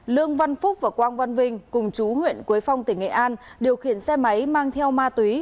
lương văn phúc và quang văn vinh cùng chú huyện quế phong tỉnh nghệ an điều khiển xe máy mang theo ma túy